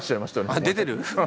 あっ出てる。